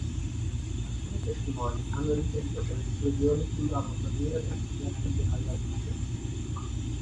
Alcuni testimoni hanno riferito che le esplosioni sembravano provenire dal complesso di al-ʿAzīziyya.